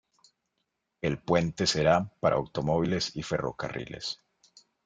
El puente será para automóviles y ferrocarriles.